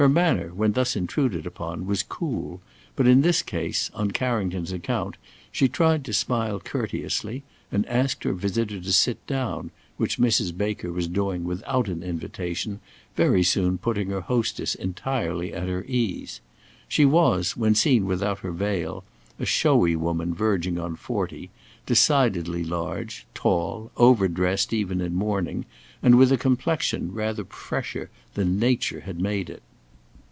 Her manner when thus intruded upon, was cool, but in this case, on Carrington's account, she tried to smile courteously and asked her visitor to sit down, which Mrs. Baker was doing without an invitation, very soon putting her hostess entirely at her ease. She was, when seen without her veil, a showy woman verging on forty, decidedly large, tall, over dressed even in mourning, and with a complexion rather fresher than nature had made it.